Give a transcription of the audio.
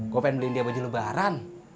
gue pengen beliin dia baju lebaran